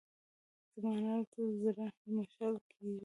زما انارو ته زړه مښل کېږي.